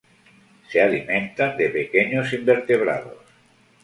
Se alimentan de pequeños invertebrados.